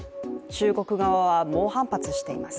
中国側は猛反発しています。